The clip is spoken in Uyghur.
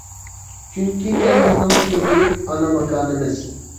چۈنكى، سەن بىزنىڭ سۆيۈملۈك ئانا ماكانىمىز!